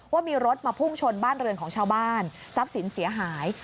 ว่ามีรถมาพุ่งชนบ้านเรือนของชาวบ้านทรัพย์สินเสียหาย